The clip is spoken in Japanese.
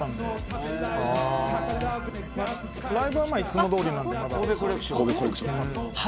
ライブはいつもどおりなんですけど。